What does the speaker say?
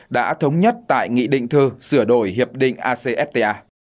đã thống nhất tại nghị định thư sửa đổi hiệp định acfta